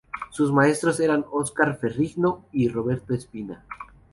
Sus maestros eran Oscar Ferrigno y Roberto Espina.